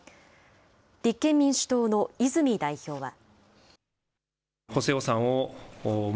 立憲民主党の泉代表は。